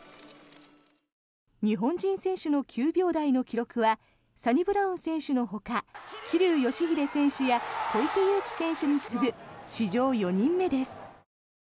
日本人選手の９秒台の記録はサニブラウン選手のほか桐生祥秀選手や小池祐貴選手に次ぐ史上４人目です。